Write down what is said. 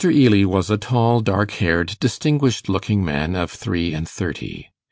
Ely was a tall, dark haired, distinguished looking man of three and thirty.